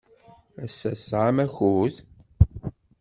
Ass-a, tesɛam akud?